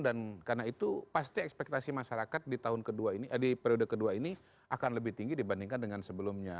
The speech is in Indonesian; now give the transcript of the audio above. dan karena itu pasti ekspektasi masyarakat di periode kedua ini akan lebih tinggi dibandingkan dengan sebelumnya